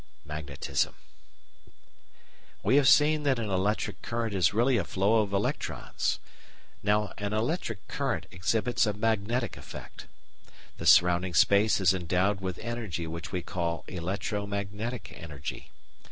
§ 11 Magnetism We have seen that an electric current is really a flow of electrons. Now an electric current exhibits a magnetic effect. The surrounding space is endowed with energy which we call electro magnetic energy.